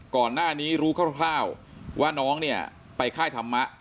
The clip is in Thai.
ก่อนหน้านี้รู้คร่าวว่าน้องเนี่ยไปค่ายธรรมะ